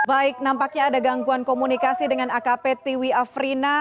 baik nampaknya ada gangguan komunikasi dengan akp tiwi afrina